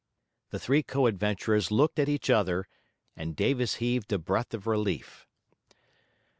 The three co adventurers looked at each other, and Davis heaved a breath of relief.